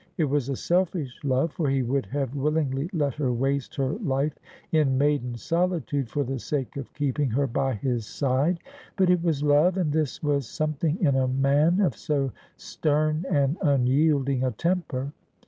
It was a selfish love, for he would have willingly let her waste her life in maiden sohtude for the sake of keeping her by his side ; but it was love, and this was some thing in a man of so stern and unyielding a temper.